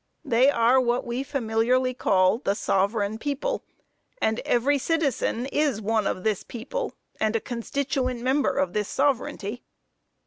They are what we familiarly call the sovereign people, and every citizen is one of this people, and a constituent member of this sovereignty."